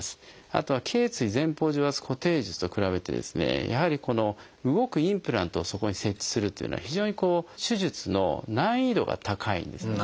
あとは頚椎前方除圧固定術と比べてですねやはり動くインプラントをそこに設置するというのは非常に手術の難易度が高いんですね。